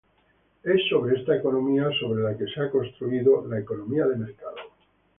Es sobre esta economía sobre la que se ha construido la economía de mercado.